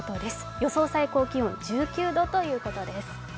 予想最高気温１９度ということです。